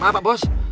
maaf pak bos